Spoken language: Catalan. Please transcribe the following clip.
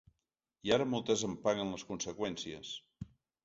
I ara moltes en paguen les conseqüències.